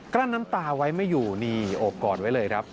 ลั้นน้ำตาไว้ไม่อยู่นี่โอบกอดไว้เลยครับ